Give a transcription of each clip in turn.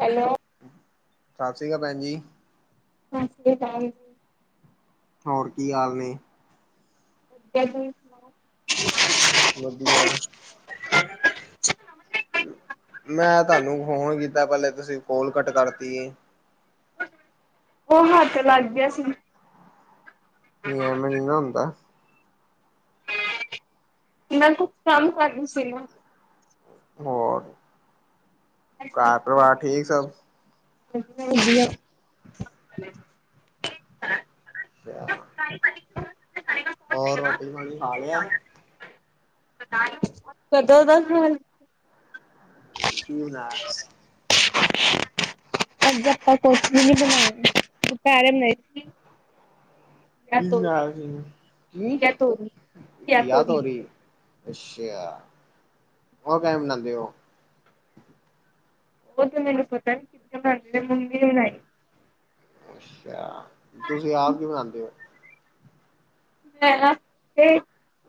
Hello. ਸਤਿ ਸ੍ਰੀ ਅਕਾਲ ਭੈਣ ਜੀ। ਸਸਰੀ ਕਾਲ ਜੀ। ਹੋਰ ਕੀ ਹਾਲ ਨੇ? [unintelligible] ਵਧੀਆ। ਮੈਂ ਤੁਹਾਨੂੰ ਫੋਨ ਕੀਤਾ, ਪਹਿਲੇ ਤੁਸੀਂ ਕੋਲ ਕੱਟ ਕਰਤੀ ਏ ਓ ਹੱਥ ਲੱਗ ਗਿਆ ਸੀ। ਨੀ ਐਮੇ ਨੀ ਨਾ ਹੁੰਦਾ ਮੈਂ ਕੁਝ ਕੰਮ ਕਰਦੀ ਸੀ ਨਾ ਹੋਰ ਘਰ ਪਰਿਵਾਰ ਠੀਕ ਸਭ? ਵਧੀਆ-ਵਧੀਆ। [inaudible] [unintelligible] [unintelligible] ਹੋਰ ਰੋਟੀ-ਪਾਣੀ ਖਾ ਲਿਆ। [unintelligible] ਕਦੋਂ ਦਾ ਖਾ ਕੀ ਬਣਾਇਆ? ਅੱਜ ਆਪਾਂ ਕੁਛ ਵੀ ਨੀਂ ਬਣਾਇਆ ਦਪੈਰੇ ਮੇਂ। ਕੀ ਬਣਾਇਆ ਤੋਰੀ ਸੀ। ਕੀ? ਘੀਆ ਤੋਰੀ ਘੀਆ ਤੋਰੀ। ਅੱਛਾ, ਹੋਰ ਕੈਵੇਂ ਬਣਾਂਦੇ ਓ। ਓ ਤੇ ਮੈਨੂੰ ਪਤਾ ਏ [unintelligible] ਮੰਮੀ ਨੇ ਬਣਾਈ। ਅੱਛਾ, ਤੁਸੀਂ ਆਪ ਕਿ ਬਨਾਂਦੇ ਓ। ਮੈਂ ਨਾ ਤੇ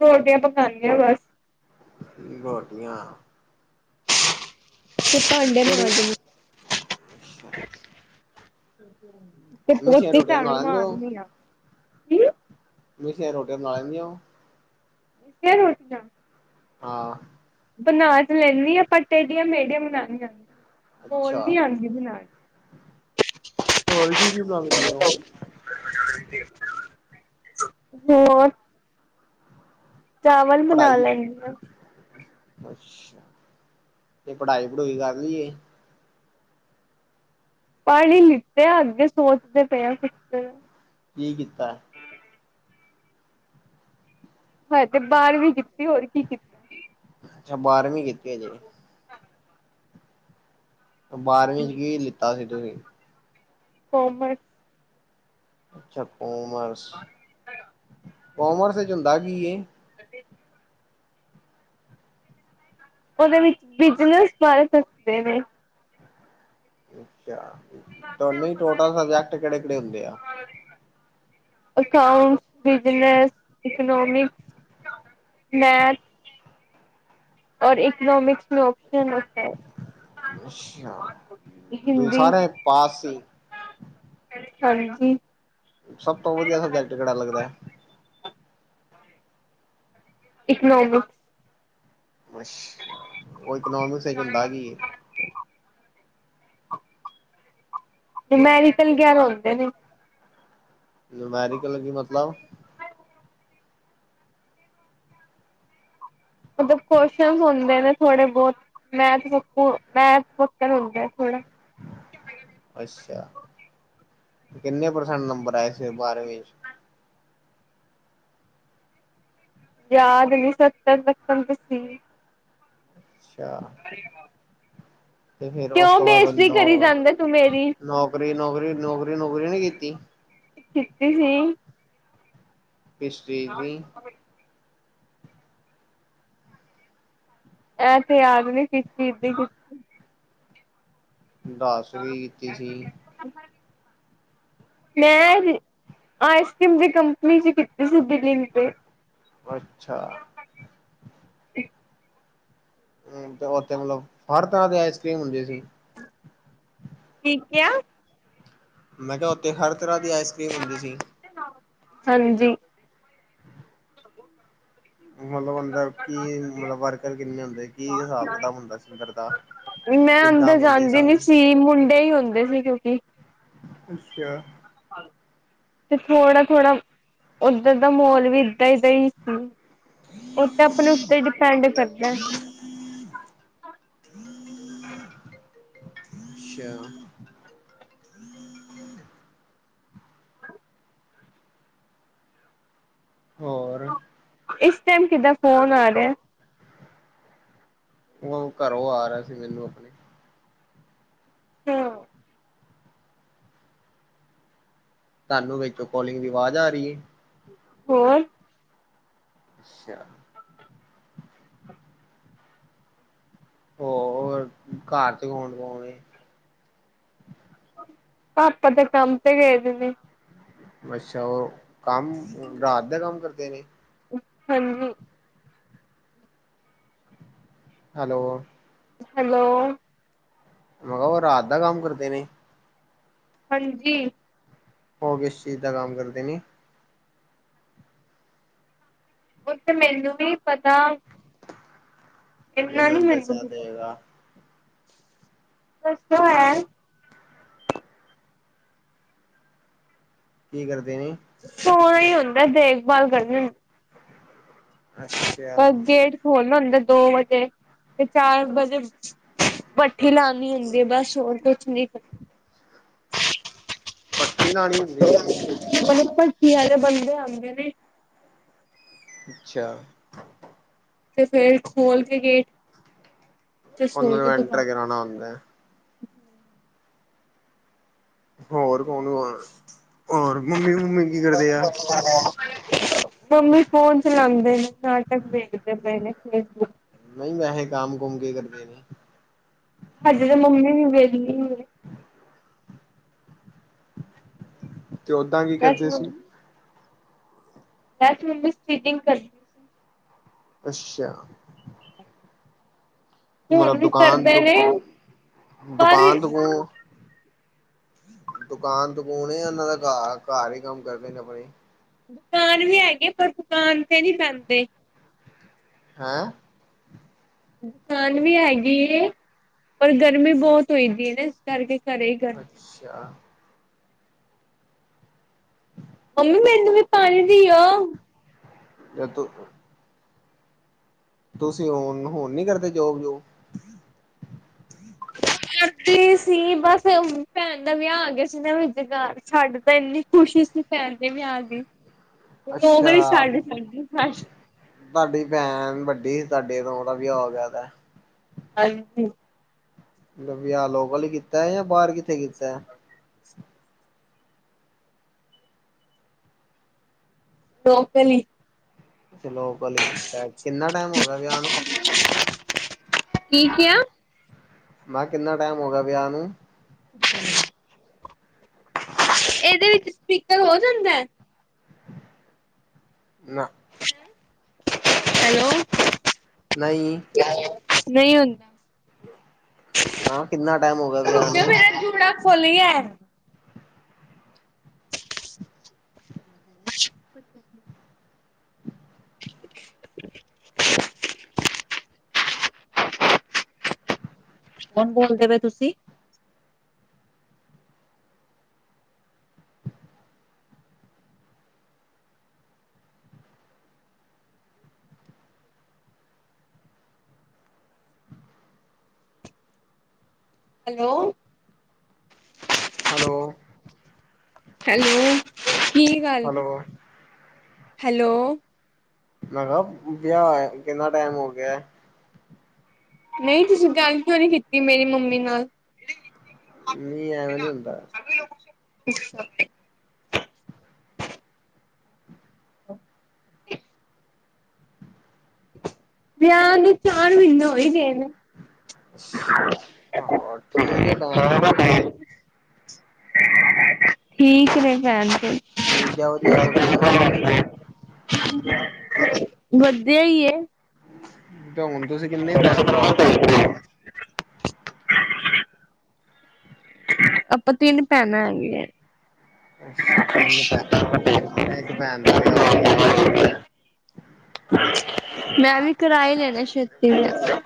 ਰੋਟੀਆਂ ਪਕਾਨੇ ਆ ਬਸ। ਰੋਟੀਆਂ। ਤੇ ਭਾਂਡੇ ਕਿਹੜੀ? ਮਾਂਜਣੀ ਤੇ ਮਿੱਸੀਆਂ ਓਥੇ ਰੋਟੀਆਂ ਬਣਾ ਝਾੜੂ ਲੈਂਦੇ ਹੋ ਮਾਰਣੀ ਆਂ। ਮਿੱਸੀਆਂ ਰੋਟੀਆਂ ਬਣਾ ਲੈਂਣੇ ਓਂ। ਫੇਰ ਰੋਟੀਆਂ। ਹਾਂ। ਬਣਾ ਤੇ ਲੈਂਣੀ ਆਂ ਪਰ ਟੇਡੀਆਂ-ਮੇਡੀਆਂ ਬਣਾਣੀ ਆਂ। ਅੱਛਾ, ਹੋਰ ਕੀ-ਕੀ ਬਣਾ ਲੈਂਦੇ ਓ? [unintelligible] ਹੋਰ। ਚਾਵਲ ਬਣਾ ਪੜ੍ਹਾਈ ਲੈਂਣੀ ਆਂ। ਅੱਛਾ ਤੇ ਪੜ੍ਹਾਈ-ਪੜੁਈ ਕਰ ਲੀਏ? ਪੜੱ ਈ ਲਿੱਤਾ ਅੱਗੇ ਸੋਚਦੇ ਪਏ ਆਂ ਕੁਛ ਕੀ ਕੀਤਾ ਐ? ਹਜੇ ਤੇ ਬਾਰਵੀਂ ਕੀਤੀ, ਹੋਰ ਕੀ ਕੀਤ ਅੱਛਾ ਬਾਰਵੀਂ ਕੀਤੀ ਹਜੇ। ਬਾਰਵੀਂ ਚ ਕੀ ਲਿੱਤਾ ਸੀ ਤੁਸੀਂ। ਕਾੱਮਰਸ। ਅੱਛਾ, ਕੋਮਰਸ। ਕੋਮਰਸ ਇੱਚ ਹੁੰਦਾ ਕੀ ਐ? [inaudible] ਓਦੇ ਵਿੱਚ ਬਿਜਨਸ ਬਾਰੇ ਦੱਸਦੇ ਨੇ। ਅੱਛਾ। ਤੋਂ ਨਈਂ ਟੋਟਲ ਸਬਜੈਕਟ ਕੇੜੇ-ਕੇੜੇ ਹੁੰਦੇ ਆ? Accounts, business, economics, math. ਔਰ ਇਕਨੋਮਿਕਸ ਮੇਂ ਓਪਸ਼ਨ [unintelligible] ਹੈ। ਅੱਛਾ, ਤੂਹੀਂ ਹਿੰਦੀ ਸਾਰੇ ਪਾਸ ਸੀ। ਹਾਂਜੀ। ਸਭ ਤੋਂ ਵਧੀਆ ਸਬਜੇਟ ਕੇੜਾ ਲੱਗਦਾ ਐ। ਇਕਨੋਮੀਕਸ। ਅੱਛਾ। ਓ ਇਕਨੋਮਿਕਸ ਵਿਚ ਹੁੰਦਾ ਕੀ ਐ? ਨੋਮੈਰਿਕਲ ਵੇਗੇਰਾ ਹੁੰਦੇ ਨੇ। ਨੋਮੇਰਿਕਲ ਦਾ ਕੀ ਮਤਲਬ? ਮਤਲਬ ਕੁਅਸ਼ਚਨ ਹੁੰਦੇ ਨੇ ਥੋੜੇ-ਬੋਤ ਮੈਥ ਵਕੂਂ, ਮੈਥ ਵੱਕਣ ਹੁੰਦਾ ਥੋੜ੍ਹਾ। ਅੱਛਾ, ਕਿੰਨੇ ਪਰਸੈਂਟ ਨੰਬਰ ਆਏ ਸੀ ਬਾਰਵੀਂ ਚ। ਯਾਦ ਨੀਂ, ਸੱਤਰ ਤਕੱਣ ਤੇ ਸੀ। ਅੱਛਾ [inaudible] ਤੇ ਫੇਰ ਉਸ ਕਿਉਂ ਤੋਂ ਬਾਅਦ ਬੇਇਜ਼ਤੀ ਕਰੀ ਨੌ ਜਾਂਦਾ ਤੂੰ ਮੇਰੀ ਨੌਕਰੀ, ਨੌਕਰੀ ਨੌਕਰੀ-ਨੂੰਕਰੀ ਨੀਂ ਕੀਤੀ। ਕੀਤੀ ਸੀ। ਕਿਸ ਚੀਜ਼ ਦੀ। ਐ ਤੇ ਯਾਦ ਨੀ ਦਸ ਵੀ ਕੀਤੀ ਸੀ। ਮੈਂ ਆਈਸਕ੍ਰੀਮ ਦੀ ਕੰਪਨੀ'ਚ ਕੀਤੀ ਸੀ ਦਿੱਲੀ ਤੇ। ਅੱਛਾ। ਹੂੰ ਤੇ ਉੱਥੇ ਮਤਲਬ, ਹਰ ਤਰ੍ਹਾਂ ਦੀ ਆਈਸਕਰ੍ਰੀਮ ਹੁੰਦੀ ਸੀ। ਕੀ ਕਿਆ ਮੈਂ ਕਿਹਾ, ਓਥੇ ਹਰ ਤਰ੍ਹਾਂ ਦੀ ਆਈਸਕ੍ਰੀਮ ਹੁੰਦੀ ਸੀ। ਹਾਂਜੀ। ਮਤਲਬ ਅੰਦਰ ਕੀ ਮਤਲਬ, ਵੱਰਕਰ ਕਿੰਨੇ ਹੁੰਦੇ, ਕੀ ਹਿਸਾਬ-ਕਿਤਾਬ ਹੁੰਦਾ ਅੰਦਰ ਦਾ। ਮੈਂ ਕਿੱਦਾਂ ਅੰਦਰ ਬੰਦੇ ਜਾਂਦੀ ਨੀ ਸੀ, ਮੁੰਡੇ ਹੀ ਹੁੰਦੇ ਸੀ ਕਿਉਂਕਿ। ਅੱਛਾ। ਤੇ ਥੋੜਾ-ਥੋੜਾ ਓਧਰ ਦਾ ਮਾਹੋਲ ਵੀ ਏਦਾਂ ਦਾ ਹੀ ਸੀ। ਉਹ ਤੇ ਆਪਣੇ ਉੱਤੇ ਡਿਪੈਂਡ ਕਰਦਾ। ਅੱਛਾ। ਹੋਰ। ਇਸ ਟਾਈਮ ਕਿਦਾ ਫੋਨ ਆ ਰਿਹਾ। ਉਹ ਘਰੋਂ ਆ ਰਿਹਾ ਸੀ, ਮੈਨੂੰ ਆਪਣੇ। ਤੇ ਹਾਂ। ਤੁਹਾਨੂੰ ਵਿੱਚੋਂ ਕੋਲਿੰਗ ਦੀ ਆਵਾਜ਼ ਆ ਰਹੀ ਹੈ। ਹੋਰ ਅੱਛਾ। ਹੋਰ ਘਰ'ਚ ਕੋਣ-ਕੋਣ ਏ। ਪਾਪਾ ਤੇ ਕੰਮ ਤੇ ਗਏ ਜੀ ਨੇ। ਅੱਛਾ, ਉਹ ਕੰਮ, ਰਾਤ ਦਾ ਕੰਮ ਕਰਦੇ ਨੇ। ਹਾਂਜੀ। ਹੈਲੋ। ਹੈਲੋ। ਉਹ ਰਾਤ ਦਾ ਕੰਮ ਕਰਦੇ ਨੇ। ਹਾਂਜੀ। ਹੋ ਕਿਸ ਇਸ ਚੀਜ਼ ਦਾ ਕੰਮ ਕਰਦੇ ਨੇ। ਉਹ ਤੇ ਮੈਨੂੰ ਨਹੀਂ ਪਤਾ। ਇਹ ਤੇ ਇੰਨਾ ਨੀ ਹੁਣ ਮੈਨੂੰ ਦਸਣਾ ਪਏਗਾ। [unintelligible] ਕੀ ਕਰਦੇ ਨੇ? ਸੋਣਾ ਹੀ ਹੁੰਦਾ, ਦੇਖਭਾਲ ਕਰਦੇ ਨੇ। ਅੱਛਾ ਬਸ ਗੇਟ ਖੋਲਣਾ ਹੁੰਦਾ ਦੋ ਵਜੇ। ਤੇ ਚਾਰ ਵਜੇ ਭੱਠੀ ਲਾਣੀ ਹੁੰਦੀ ਹੈ, ਬਸ ਹੋਰ ਕੁਛ ਨੀ। ਭੱਠੀ ਲਾਉਣੀ ਹੁੰਦੀ ਐ। ਤੈਨੂੰ ਪਤਾ [inaudible] ਕਿ ਇਹੋ ਜਿਹੇ ਬੰਦੇ ਆਉਂਦੇ ਨੇ। ਅੱਛਾ। ਤੇ ਫੇਰ ਖੋਲ ਕੇ ਗੇਟ ਤੇ ਸੋ ਉਹਨਾਂ ਨੂੰ ਜਾਓ ਐਂਟਰ ਦੁਬਾਰਾ ਕਰਾਨਾ ਹੁੰਦਾ ਹੈ। ਹੋਰ ਕੌਣ ਵਾ, ਹੋਰ [unintelligible] ਮੰਮੀ ਕੀ ਕਰਦੇ ਆ। ਮੰਮੀ ਫੋਨ ਚਲਾਉਂਦੇ ਨੇ, ਨਾਟਕ ਵੇਖਦੇ ਪਏ ਨੇ ਫੇਸਬੁੱਕ ਨਹੀਂ ਵੈਸੇ ਕੰਮ -ਕੁਮ ਕੀ ਕਰਦੇ ਨੇ। ਹਜੇ ਤਾਂ ਮੰਮੀ ਵੀ ਵਿਹਲੀ ਏ। ਤੇ ਉੱਦਾਂ ਕੀ ਵੈਸੇ ਕਰਦੇ ਸੀ? ਵੈਸੇ ਮੰਮੀ ਸਟੀਚਿੰਗ ਕਰਦੀ। ਸੀ ਅੱਛਾ। ਹੁਣ ਮਤਲਬ ਵੀ ਦੁਕਾਨ ਕਰਦੇ ਨੇ ਦੁਕ- ਪਰ ਦੁਕਾਨ ਦੁਕਾਨ ਦੁਕਾਨ -ਦੁਕੂਨ ਉਹਨਾਂ ਦਾ। ਘ -ਘਰ ਹੀ ਕੰਮ ਕਰਦੇ ਨੇ ਆਪਣੇ। ਦੁਕਾਨ ਵੀ ਹੈਗੀ, ਪਰ ਦੁਕਾਨ ਤੇ ਨਹੀਂ ਬੈਂਦੇ ਹੈ। ਦੁਕਾਨ ਵੀ ਹੈਗੀ ਐਂ। ਪਰ ਗਰਮੀ ਬਹੁਤ ਹੋਈ ਪੀ ਹੈ ਨਾ। ਇਸ ਕਰਕੇ ਘਰੇ ਕਰਦੇ। ਅੱਛਾ। ਮੰਮੀ ਮੈਨੂੰ ਵੀ ਪਾਣੀ ਦੇਈਂ ਉ। ਇਹ‌ ਤੁਕ ਤੁਸੀਂ ਹੋਣ ਨੂੰ ਹੁਣ ਨੀ ਕਰਦੇ ਜੋਬ- ਜੂਬ ਟ ਕਰਦੀ ਸੀ। ਬਸ ਭੈਣ ਦਾ ਵਿਆਹ ਆ ਗਿਆ ਸੀ। ਵਿਆਹ ਵਿਚਕਾਰ ਸਾਡੇ ਤਾਂ ਇੰਨੀ ਖੁਸ਼ੀ ਸੀ। ਭੈਣ ਦੇ ਵਿਆਹ ਦੀ। [inaudible] ਉਵੇਂ ਛੱਡ ਦਿੱਤੇ ਸੀ ਫਿਰ ਬਸ। ਤੁਹਾਡੀ ਭੈਣ ਵੱਡੀ। ਤੁਹਾਡੇ ਤੋਂ ਉਹਦਾ ਵਿਆਹ ਹੋ ਗਿਆ ਦਾ। ਹਾਂਜੀ। ਉਹਦਾ ਵਿਆਹ ਲੋਕਲ ਕੀਤਾ ਬਾਹਰ ਕਿੱਥੇ ਕੀਤਾ ਐ। ਸੀ ਲੋਕਲ ਈ। ਅੱਛਾ ਲੋਕਲ ਹੀ ਕੀਤਾ। ਕਿੰਨਾ ਟਾਈਮ ਹੋ ਗਿਆ ਵਿਆਹ ਨੂੰ? ਕੀ ਕਿਹਾ। ਮੈਂ ਕਿਹਾ ਕਿੰਨਾ ਟਾਈਮ ਹੋ ਗਿਆ ਵਿਆਹ ਨੂੰ? ਇਹਦੇ ਵਿੱਚ ਸਪੀਕਰ ਹੋ ਜਾਂਦਾ ਐ? ਨਾ। ਹੈਲੋ। ਨਹੀਂ। ਨਹੀਂ ਹੁੰਦਾ। ਮੈਂ ਕਿੰਨਾ ਟਾਈਮ ਹੋ ਗਿਆ ਵਿਆਹ ਰੁਕੋ ਜ਼ਰਾ, ਨੂੰ ਮੇਰਾ ਜੂੜਾ ਖੁੱਲ ਗਿਆ ਐ। [inaudible] [inaudible] ਕੌਣ ਬੋਲਦੇ ਪ ਤੁਸੀਂ ਹੈਲੋ। ਹੈਲੋ। ਹੈਲੋ ਕੀ ਗੱਲ ਹੋਰ ਹੈਲੋ ਮੈਂ ਕਿਹਾ ਵਿਆਹ ਹੋਈਏ ਕਿੰਨਾ ਟਾਈਮ ਹੋ ਗਿਆ ਨਹੀਂ ਤੁਸੀਂ ਗੱਲ ਕਿਉਂ ਨਹੀਂ ਕੀਤੀ ਮੇਰੀ ਮੰਮੀ ਨਾਲ ਨਹੀਂ ਖ ਐਵੇਂ ਨੀ ਹੁੰਦਾ ਸ ਲੋਕੇ ਬ ਵਿਆਹ ਦੇ ਚਾਰ ਮਹੀਨੇ ਹੋ ਹੀ ਗਏ ਨੇ। ਅੱਛਾ, ਹਾਂ ਔਰ ਠੀਕ ਐ ਮੈਮ। ਠੀਕ ਐ ਫੇਰ ਮੈਮ ਫਿਰ। ਜੀਜਾ ਵਧੀਆ ਮਿਲ ਗਿਆ ਵਧੀਆ ਹੀ ਏ। ਤੇ ਹੁਣ ਤੁਸੀਂ ਕਿੰਨੇ ਭੈਣ ਭਰਾ ਓ? ਆਪਾਂ ਤਿੰਨ ਭੈਣਾਂ ਹੈਗੀਆਂ। ਅੱਛਾ ਤਿੰਨ ਭੈਣਾਂ ਹੋ, ਹੈਗੀਆਂ ਇੱਕ ਭੈਣ ਦਾ ਵਿਆਹ ਹੋ ਗਿਆ। ਮੈਂ ਵੀ ਕਰਾਏ ਲੈ ਲਿਆ ਛੇਤੀ ਨਾਲ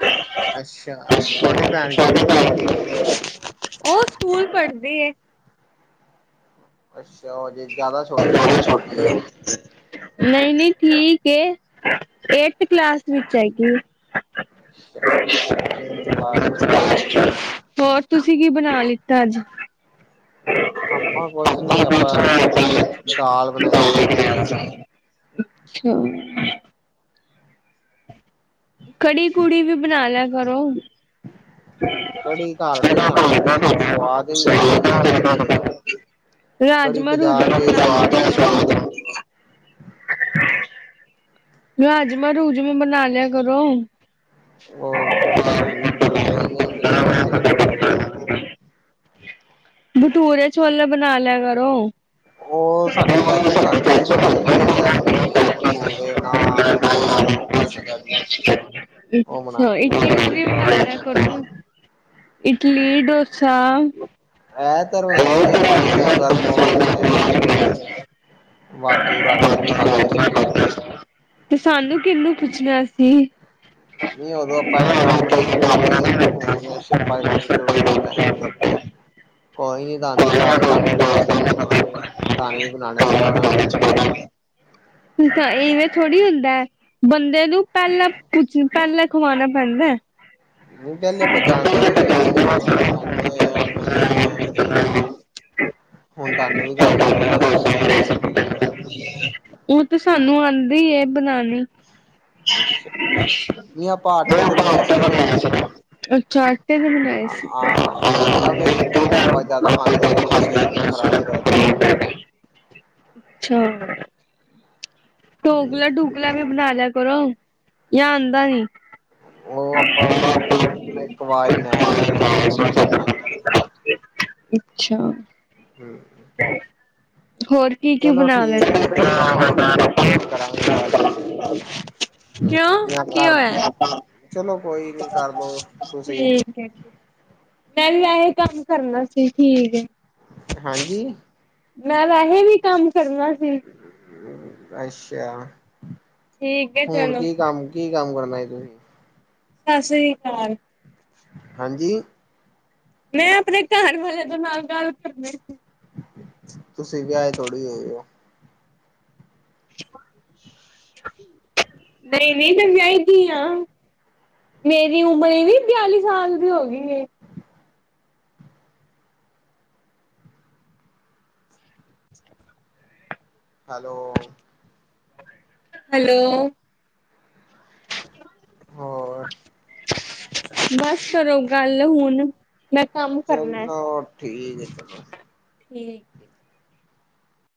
ਅੱਛਾ, ਤੇ [inaudible] ਛੋਟੀ ਭੈਣ ਕੀ ਕਰਦੀ ਏ? ਉਹ ਸਕੂਲ ਪੜ੍ਹਦੇ ਐ। ਅੱਛਾ ਓ ਅਜੇ ਜ਼ਿਆਦਾ ਛੋਟੀ ਏ। [unintelligible] ਨਹੀਂ ਨਹੀਂ ਠੀਕ ਏ, ਏਥ ਕਲਾਸ ਵਿੱਚ ਹੈਗੀ ਏ। ਅੱਛਾ, ਫੇਰ ਤੇ ਲਾਸਟ ਏ। ਹੋਰ ਤੁਸੀਂ ਕੀ ਬਣਾ ਲਿੱਤਾ ਅੱਜ? ਆਪਾਂ ਕੁਛ ਨੀ ਆਪਾਂ ਅੱਛਾ ਅੱਜ ਦਾਲ ਬਣਾਈ ਸੀ। [unintelligible] ਅੱਛਾ। ਕੜੀ ਕੁੜੀ ਵੀ ਬਣਾ ਲਿਆ ਕਰੋ। ਕੜੀ ਘਰ ਦੀ ਸਾਨੂੰ ਸਵਾਦ ਹੀ ਨੀ ਲੱਗਦੀ ਜਦੋਂ ਬਣਦੀ ਐ। ਕੜੀ ਰਾਜਮਾਂ ਬਾਜ਼ਾਰ ਰੂਜਮਾ ਦੀ ਈ ਬਣਾ ਸੁਆਦ ਲਿਆ ਹੁੰਦੀ ਐ। ਕਰੋ। ਰਾਜਮਾਂਹ ਰੂਜਮਾ ਵੀ ਬਣਾ ਲਿਆ ਕਰੋ। ਉਹ ਪਤਾ ਨਹੀਂ ਬਣਦੇ ਹੀ ਨੇ ਜਦੋਂ ਬਣਦੇ ਹੋਣਗੇ। ਬਟੂਰੇ ਛੋਲੇ ਬਣਾ ਲਿਆ ਕਰੋ। ਉਹ ਸਾਡੀ ਚਾਚੀ ਬਣਾਉਂਦੀ, ਉਹਨਾ ਨੂੰ ਬੜੀ ਪੈਕੇ ਨੇ ਭਠੋਰੇ, ਨਾਨ ਔਰ ਸ਼ਡਿਊਲ। ਦੇਸੀ ਦਾਰੂ। ਅੱਛਾ [inaudible] ਚੀਜ਼ਾਂ [inaudible] ਇਡਲੀ, ਡੋਸਾ ਐਤਵਾਰ ਬਣਾਏ ਸੀ ਆਪਾਂ, ਇਸ ਐਤਵਾਰ ਮੋਮਜ਼ ਬਣਾਏ ਸੀ। [inaudible] ਵਾਧੂ ਰੱਜ ਕੇ ਖਾਧੇ ਸੀ ਤੇ ਸਾਨੂੰ ਕਿਹਨੂੰ ਪੁੱਛਣਾ ਸੀ। ਨਹੀਂ ਉਦੋਂ ਆਪਾਂ ਐ ਕੰਮ ਨੀ ਹਾਂਜੀ ਨਾ ਕਰਦੇ ਸੀ, ਹੁਣ ਆਪਾਂ ਐ ਕੰਮ ਸ਼ੁਰੂ ਕੀਤਾ। ਕੋਈ ਨੀ ਤੁਹਾਨੂੰ ਦੱਸ ਦਾਂਗੇ ਜਦੋਂ ਬਣਾਵਾਂਗੇ, ਤਹਾਨੂੰ ਵੀ ਬਣਾਣਾ ਸਿਖਾ ਦਾਂਗੇ। ਇਵੇਂ ਥੋੜ੍ਹੀ ਹੁੰਦਾ, ਬੰਦੇ ਨੂੰ ਪਹਿਲਾਂ ਪੁਛ ਪਹਿਲਾਂ ਖਵਾਣਾ ਪੈਂਦਾ। ਨਹੀਂ ਪਹਿਲੇ ਆਪਾਂ ਜਾਣਦੇ ਨੀ ਸੀ ਨਾ ਹੁਣ ਆਪਾਂ ਜਾਣਦੇ ਆ, ਮਿਲੇ ਆ। ਹਾਂਜੀ। ਹੁਣ ਤੁਹਾਨੂੰ ਵੀ ਦੱਸਦਾਂਗੇ ਰੈਸੇਪੀ ਕਿਵੇਂ ਬਣਦੀ ਏ। ਉਹ ਤਾਂ ਸਾਨੂੰ ਆਂਦੀ ਏ ਬਣਾਣੀ। ਅੱਛਾ, ਨਹੀਂ ਆਪਾਂ ਉਹ ਆਟੇ ਦੇ ਤਾਂ ਬਣਾਏ ਆਟੇ ਸੀ ਦਾ ਨਾ। ਬਣਾਇਆ ਸੀਗਾ। ਅੱਛਾ ਆਟੇ ਦੇ ਬਣਾਏ ਸੀ। ਹਾਂ ਮੈਦਾ ਫੇਰ ਆਪਾਂ ਜਿਆਦਾ ਖਾਂਦੇ ਨੀ ਉਹ ਸਿਹਤ ਨੂੰ ਖ਼ਰਾਬ ਕਰ ਕਰਦਾ। ਅੱਛਾ। ਡੋਕਲਾ ਡੂਕਲਾ ਵੀ ਬਣਾ ਲਿਆ ਕਰੋ ਜਾਂ ਆਂਦਾ ਨੀ। ਉਹ ਆਪਾਂ ਇੱਕ ਵਾਰ ਬਣਾਇਆ ਸੀ, ਉਹ ਸਾਡੇ ਮੰਮੀ ਬਣਾਂਦੀ ਏ। ਵੇਚ ਅੱਛਾ ਆ ਹੂੰ ਹੋਰ ਕੀ ਕੀ ਬਣਾ ਲੈ ਠੀਕ ਹੈ ਫੇਰ ਆਪਾਂ ਫੇਰ ਕਰਾਂਗੇ ਗੱਲ ਕਿਉਂ ਜਾਂ ਕੀ ਕਰ ਹੋਇਆ ਐ ਪਾਪਾਂ ਆ ਚਲੋ ਕੋਈ ਨੀ ਕਰਦੋ ਤੁਸੀਂ ਈ ਫੇਕ ਮੈਂ ਵੀ ਐਈ ਕੰਮ ਕਰਨਾ ਸੀ ਠੀਕ ਏ ਹਾਂਜੀ ਈ ਮੈਂ ਵੈਹੈ ਵੀ ਕੰਮ ਕਰਨਾ ਸੀ ਐਛਾ ਆ ਠੀਕ ਹੈ ਹੁਣ ਚਲੋ। ਕੀ ਕੰਮ ਕੀ ਕੰਮ ਕਰਨਾ ਤੂਹੀ ਸਸਰੀ ਕਾਲ ਆ ਹਾਂਜੀ ਈ ਮੈਂ ਆਪਣੇ ਘਰ ਵਾਲੇ ਦੇ ਨਾਲ ਗੱਲ ਕਰਦੀ ਸੀ ਈ ਤੁਸੀਂ ਵਿਆਏ ਥੋੜੀ ਹੋਏ ਓ ਦਰੇ ਏ ਨਹੀਂ ਤਾਂ ਵਿਆਹੀ ਦੀ ਐ ਮੇਰੀ ਉਮਰ ਇਹ ਈ ਬਿਆਲੀ ਸਾਲ ਦੀ ਹੋ ਗਈ ਏ ਹੈਲੋ ਓ ਹੈਲੋ ਓ ਹੋਰ ਬਸ ਕਰੋ ਗੱਲ ਹੁਣ ਮੈਂ ਕੰਮ ਕਰਨੇ ਐ ਚਲੋ ਠੀਕ ਐ ਚਲੋ ਓ ਠੀਕ ਏ